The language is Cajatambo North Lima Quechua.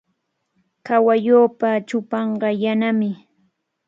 Kawalluupa chupanqa yanami.